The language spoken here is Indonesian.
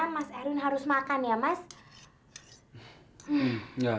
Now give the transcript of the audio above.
mas lute mungkin bisa kalau ada yang mau